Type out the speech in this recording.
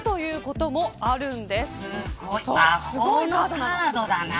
魔法のカードだな。